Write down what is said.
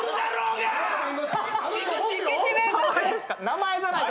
名前じゃないと。